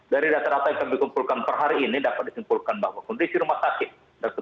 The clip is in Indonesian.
dari data data yang kami kumpulkan per hari ini dapat disimpulkan bahwa kondisi rumah sakit